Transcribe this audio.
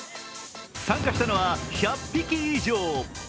参加したのは１００匹以上。